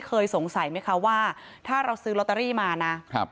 เคยสงสัยไหมคะว่าถ้าเราซื้อลอตเตอรี่มานะครับ